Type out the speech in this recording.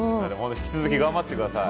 引き続き頑張って下さい。